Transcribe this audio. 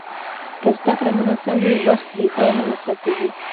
که زده کړه منظم وي، وخت بې ځایه نه مصرفېږي.